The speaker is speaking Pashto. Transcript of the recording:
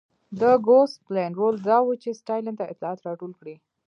د ګوسپلین رول دا و چې ستالین ته اطلاعات راټول کړي